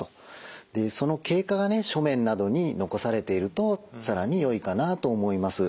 その経過が書面などに残されていると更によいかなと思います。